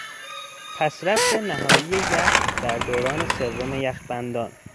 پسرفت نهایی یخ در دوران سوم یخبندان